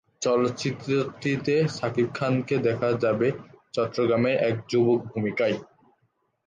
চলচ্চিত্রটিতে শাকিব খানকে দেখা যাবে চট্টগ্রামের এক যুবকের ভূমিকায়।